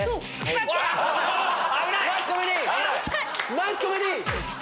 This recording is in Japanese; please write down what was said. ナイスコメディー！